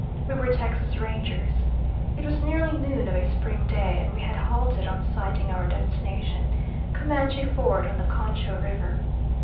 We were Texas Rangers. It was nearly noon of a spring day, and we had halted on sighting our destination, Comanche Ford on the Concho River.